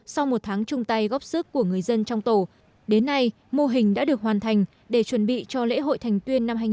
sau một tháng chung tay góp sức của người dân trong tổ đến nay mô hình đã được hoàn thành để chuẩn bị cho lễ hội thành tuyên năm hai nghìn một mươi chín